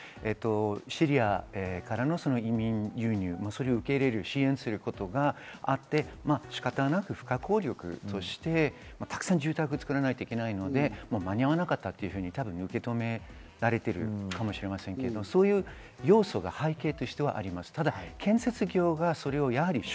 シリアからの移民流入を受け入れる、支援することがあって、仕方なく不可抗力として、たくさん住宅を作らないといけないので、間に合わなかったと受け止められているかもしれませんけれど、そういう要素が背景としてはあります。